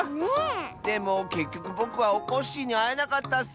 でもけっきょくぼくはおこっしぃにあえなかったッス！